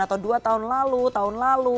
atau dua tahun lalu tahun lalu